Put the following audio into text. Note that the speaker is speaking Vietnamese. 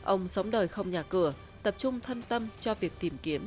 ông sống đời không nhà cửa tập trung thân tâm cho việc tìm kiếm